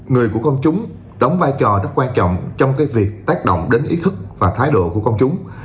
người của công chúng đóng vai trò rất quan trọng trong việc tác động đến ý thức và thái độ của công chúng